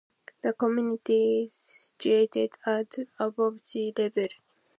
The community is situated at above sea level.